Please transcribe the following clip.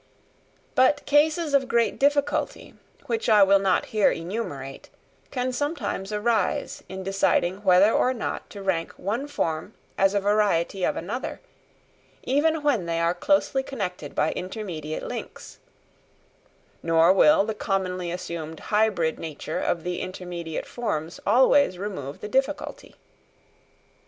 But cases of great difficulty, which I will not here enumerate, sometimes arise in deciding whether or not to rank one form as a variety of another, even when they are closely connected by intermediate links; nor will the commonly assumed hybrid nature of the intermediate forms always remove the difficulty.